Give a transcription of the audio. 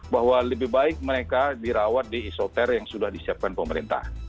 bahwa lebih baik mereka dirawat di isoter yang sudah disiapkan pemerintah